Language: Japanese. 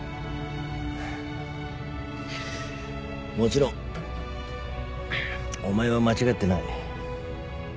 もちろんお前は間違ってない。